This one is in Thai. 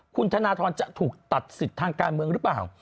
คุณธนทรจะถูกตัดสิทธิ์ทางการเมืองหรือเปล่า